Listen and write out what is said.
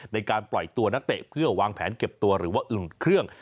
ในการปล่อยตัวนักเตะเพื่อวางแผนเก็บตัวหรือว่าอุ่นเครื่อง